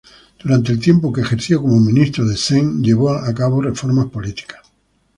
Durante el tiempo que ejerció como ministro de Zheng llevó a cabo reformas políticas.